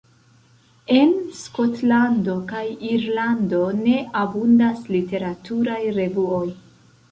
En Skotlando kaj Irlando ne abundas literaturaj revuoj.